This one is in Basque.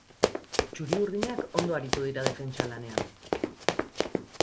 Txuri-urdinak ondo aritu dira defentsa lanean.